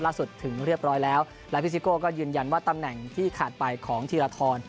ถึงเรียบร้อยแล้วและพี่ซิโก้ก็ยืนยันว่าตำแหน่งที่ขาดไปของธีรทร